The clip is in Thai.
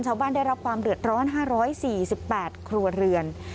ชาวบ้านได้รับความเรือดร้อนห้าร้อยสี่สิบแปดครัวเรือน